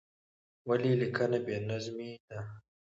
ولې لیکنه بې نظمې ده؟